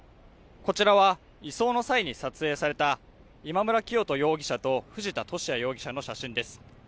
こちらは移送の際に撮影された今村磨人容疑者と藤田聖也容疑者の写真です